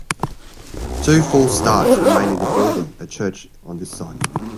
Two false starts were made in building a church on this site.